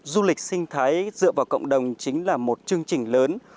du lịch sinh thái dựa vào cộng đồng chính là một chương trình lớn